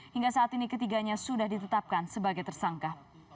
hingga saat ini ketiganya sudah ditetapkan sebagai tersangka